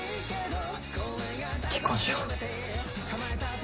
結婚しよう。